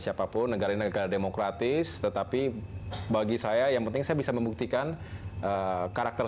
siapapun negara negara demokratis tetapi bagi saya yang penting saya bisa membuktikan karakter